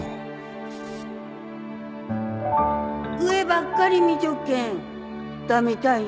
上ばっかり見ちょっけん駄目たいね